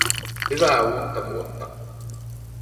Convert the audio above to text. Hyvää uutta vuotta